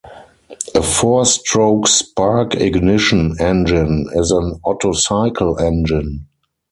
A four-stroke spark-ignition engine is an Otto cycle engine.